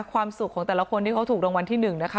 ความสุขของแต่ละคนที่เขาถูกรางวัลที่๑นะคะ